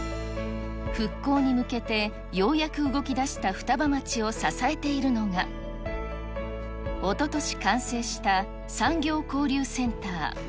復興に向けて、ようやく動きだした双葉町を支えているのが、おととし完成した産業交流センター。